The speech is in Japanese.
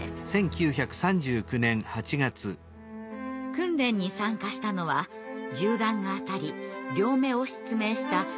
訓練に参加したのは銃弾が当たり両目を失明した舛田宇三郎さん。